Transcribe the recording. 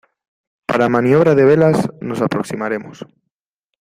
para maniobra de velas. nos aproximaremos